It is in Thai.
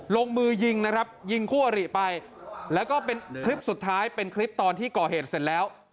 ลงมือยิงนะครับยิงคู่อริไปแล้วก็เป็นคลิปสุดท้ายเป็นคลิปตอนที่ก่อเหตุเสร็จแล้ว